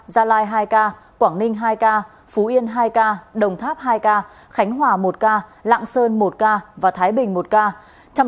gia lai hai ca quảng ninh hai ca phú yên hai ca đồng tháp hai ca khánh hòa một ca lạng sơn một ca và thái bình một ca